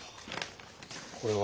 これは？